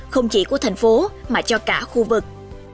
không chỉ của thành phố mà cho cả khu vực